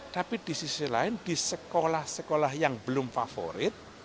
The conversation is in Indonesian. tapi di sisi lain di sekolah sekolah yang belum favorit